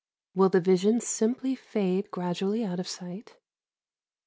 Will the vision simply fade gradually out of sight?"